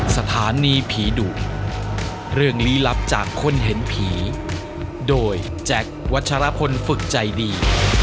สถานีผีดุเรื่องลี้ลับจากคนเห็นผีโดยแจ็ควัชรพลฝึกใจดี